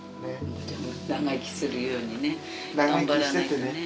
長生きするようにね頑張らないとね。